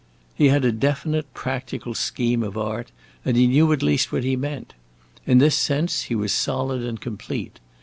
He had a definite, practical scheme of art, and he knew at least what he meant. In this sense he was solid and complete.